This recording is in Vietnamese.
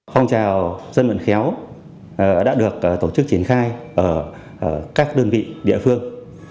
phong trào dân vận khéo đã được tổ chức triển khai ở các đơn vị địa phương